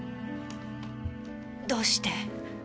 どうして？